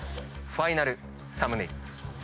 ファイナルサムネイル。